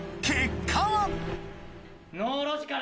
結果は！？